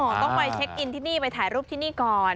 ต้องไปเช็คอินที่นี่ไปถ่ายรูปที่นี่ก่อน